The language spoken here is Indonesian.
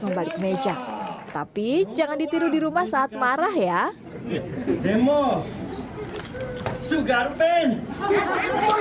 membalik meja tapi jangan ditiru di rumah saat marah ya demo sugar pen hahaha